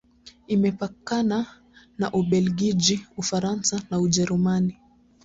Imepakana na Ubelgiji, Ufaransa na Ujerumani.